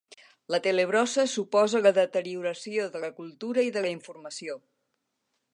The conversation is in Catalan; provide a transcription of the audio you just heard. La telebrossa suposa la deterioració de la cultura i de la informació.